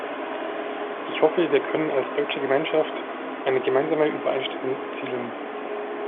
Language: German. Ich hoffe, wir können als deutsche Gemeinschaft eine gemeinsame Übereinstimmung erzielen.